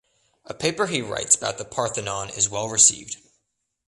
A paper he writes about the Parthenon is well received.